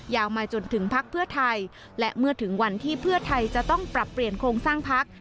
มาจนถึงพักเพื่อไทยและเมื่อถึงวันที่เพื่อไทยจะต้องปรับเปลี่ยนโครงสร้างพัก